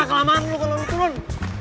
kelamaan lu kalo mau turun